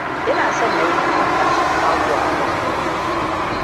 Ina son na yi hutun ƙarshen mako a Boston.